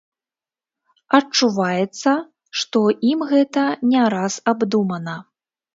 Адчуваецца, што ім гэта не раз абдумана.